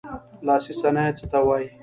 لاسي صنایع څه ته وايي.